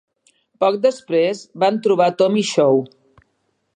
Poc després, van trobar Tommy Shaw.